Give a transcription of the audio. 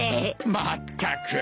まったく。